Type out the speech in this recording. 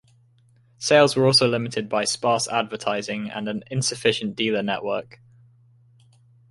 Sales were also limited by sparse advertising and an insufficient dealer network.